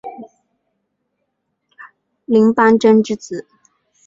林邦桢之子。